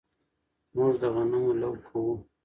موږ د غنمو لو کوو